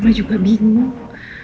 mama juga bingung